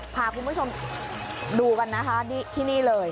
พาคุณผู้ชมดูกันนะคะที่นี่เลย